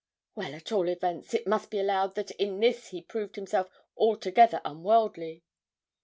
'Well, at all events, it must be allowed that in this he proved himself altogether unworldly.'